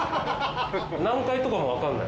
何階とかもわかんない？